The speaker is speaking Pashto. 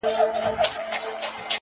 یو ډارونکی؛ ورانونکی شی خو هم نه دی؛